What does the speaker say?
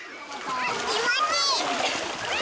気持ちいいー！